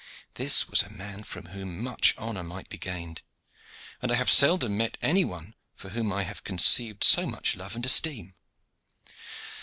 This was a man from whom much honor might be gained, and I have seldom met any one for whom I have conceived so much love and esteem.